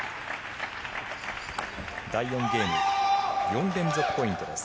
第４ゲーム４連続ポイントです。